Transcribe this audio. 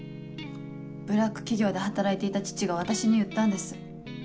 ブラック企業で働いていた父が私に言ったんです。